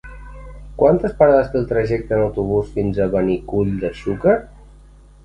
Quantes parades té el trajecte en autobús fins a Benicull de Xúquer?